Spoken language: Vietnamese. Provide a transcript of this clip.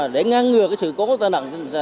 để ngang ngừa sự cố cháy nổ cháy người ra